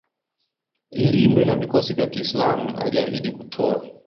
ilindwe na vikosi vya kiislam Aliahidi kutoa